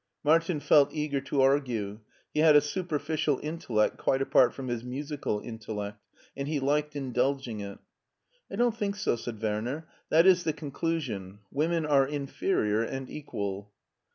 Martin felt eager to argue. He had a superficial intellect quite apart from his musical intellect, and he liked indulging it. "I don't think so," said Werner ;" that is the con clusion : women are inferior and equal."